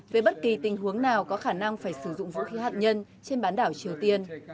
về bất kỳ tình huống nào có khả năng phải sử dụng vũ khí hạt nhân trên bán đảo triều tiên